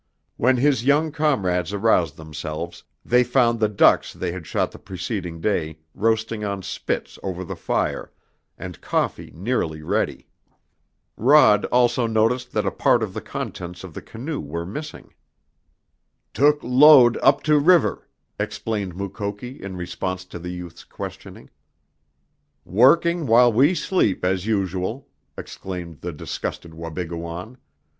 When his young comrades aroused themselves they found the ducks they had shot the preceding day roasting on spits over the fire, and coffee nearly ready. Rod also noticed that a part of the contents of the canoe were missing. "Took load up to river," explained Mukoki in response to the youth's questioning. "Working while we sleep, as usual," exclaimed the disgusted Wabigoon.